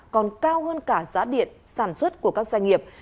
còn cao hơn cả giá điện sản xuất của các doanh nghiệp